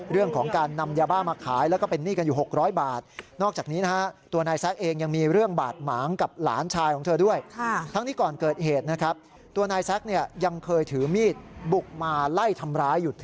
เรื่องของการนำยาบ้ามาขายแล้วก็เป็นหนี้กันอยู่๖๐๐บาท